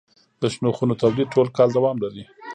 د شنو خونو تولید ټول کال دوام لري.